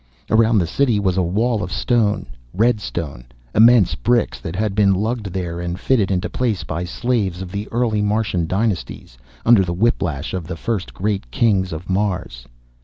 Around the City was a wall of stone, red stone, immense bricks that had been lugged there and fitted into place by slaves of the early Martian dynasties, under the whiplash of the first great Kings of Mars.